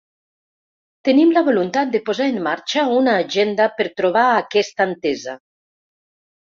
Tenim la voluntat de posar en marxa una agenda per trobar aquesta entesa.